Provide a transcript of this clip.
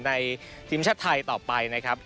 ทีมชาติไทยต่อไปนะครับ